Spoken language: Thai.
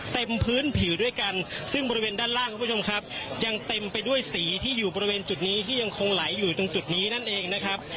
เต็มพื้นผิวด้วยกันซึ่งบริเวณด้านล่างคุณผู้ชมครับยังเต็มไปด้วยสีที่อยู่บริเวณจุดนี้ที่ยังคงไหลอยู่ตรงจุดนี้นั่นเองนะครับ